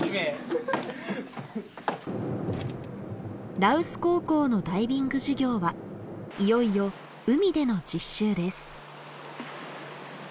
羅臼高校のダイビング授業はいよいよ海での実習です。